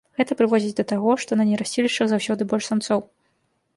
Гэта прыводзіць да таго, што на нерасцілішчах заўсёды больш самцоў.